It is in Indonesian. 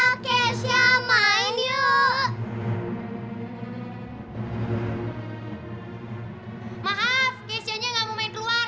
maaf keishanya gak mau main keluar